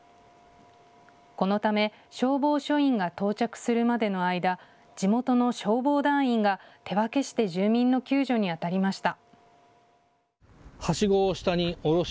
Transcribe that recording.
このため消防署員が到着するまでの間、地元の消防団員が手分けして住民の救助にあたりました。